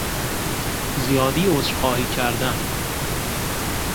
زیادی عذرخواهی کردن